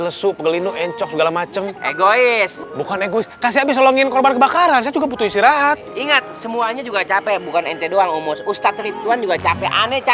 lesu pegelinu encok segalaceng egois bukan ego putih juga capek betul betul capek